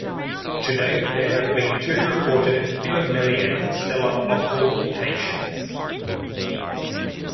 To date there have been two reported Philomelian stellar occultations.